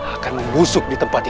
akan membusuk ditempat ini